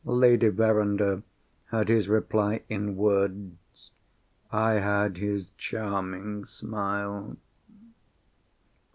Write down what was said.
Lady Verinder had his reply in words. I had his charming smile.